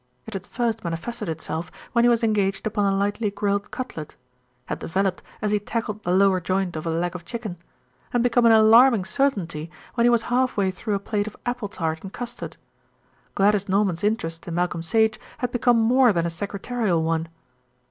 It had first manifested itself when he was engaged upon a lightly grilled cutlet; had developed as he tackled the lower joint of a leg of chicken; and become an alarming certainty when he was half way through a plate of apple tart and custard. Gladys Norman's interest in Malcolm Sage had become more than a secretarial one.